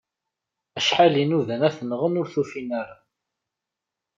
Acḥal i nudan ad t-nɣen ur t-ufin ara.